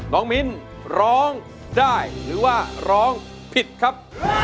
มิ้นร้องได้หรือว่าร้องผิดครับ